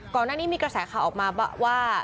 ก่อนหน้านี้มีกระแสข่าวออกมาว่า